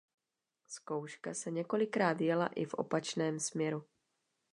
Zkouška se několikrát jela i v opačném směru.